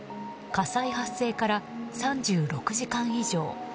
火災発生から３６時間以上。